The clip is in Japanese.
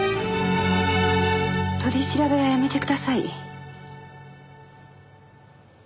取り調べはやめてください。